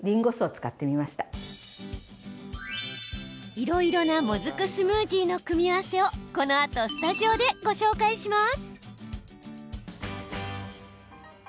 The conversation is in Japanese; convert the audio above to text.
いろいろなもずくスムージーの組み合わせをこのあとスタジオでご紹介します。